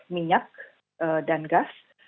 minyak dan gas